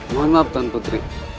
mohon maaf tuan putri